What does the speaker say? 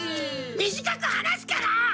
短く話すから！